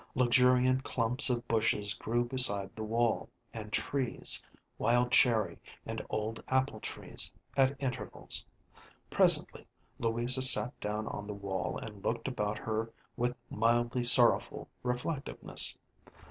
Luxuriant clumps of bushes grew beside the wall, and trees wild cherry and old apple trees at intervals. Presently Louisa sat down on the wall and looked about her with mildly sorrowful reflectiveness.